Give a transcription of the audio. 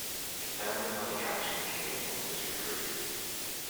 The family money actually came from wizardry.